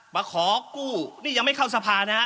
มาขอกู้นี่ยังไม่เข้าสภานะฮะ